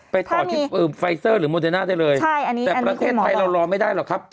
ไปต่อที่ไฟเซอร์หรือโมเดน่าได้เลยแต่ประเทศไทยเรารอไม่ได้หรอกครับคุณหมอใช่